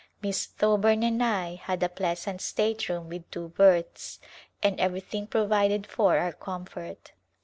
Miss Thoburn and I had a pleasant state room with two berths, and everything provided for our comfort.